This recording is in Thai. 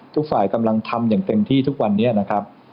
ทุกฝ่ายกำลังทำอย่างเต็มที่ทุกวันนี้นะครับ